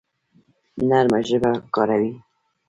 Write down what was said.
نرمه ژبه کاروئ